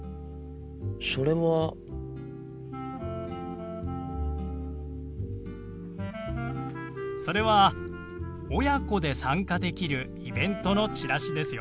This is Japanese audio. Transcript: それは。それは親子で参加できるイベントのチラシですよ。